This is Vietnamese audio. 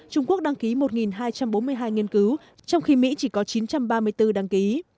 trung quốc đăng ký một hai trăm bốn mươi hai nghiên cứu trong khi mỹ chỉ có chín trăm ba mươi bốn đăng ký